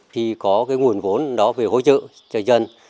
khi có nguồn vốn đó phải hỗ trợ cho dân